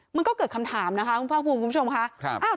มันก็เกิดคำถามนะคะคุณภาคภูมิคุณผู้ชมค่ะ